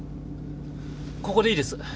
ここでいいです。